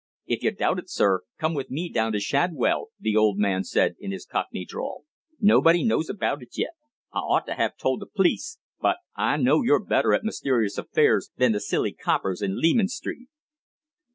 "If you doubt it, sir, come with me down to Shadwell," the old man said in his cockney drawl. "Nobody knows about it yet. I ought to have told the p'lice, but I know you're better at mysterious affairs than the silly coppers in Leman Street."